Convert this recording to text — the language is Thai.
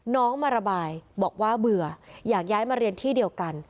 น้องมาระบายบอกว่าเบื่ออยากย้ายมาเรียนที่เดียวกัน